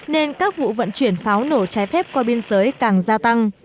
nên các vụ vận chuyển pháo nổ trái phép qua biên giới càng gia tăng